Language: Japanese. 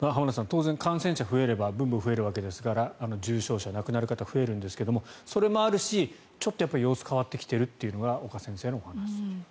当然、感染者が増えれば分母が増えるわけですから重症者、亡くなる方は増えるんですが、それもあるしちょっと様子が変わってきているというのが岡先生のお話です。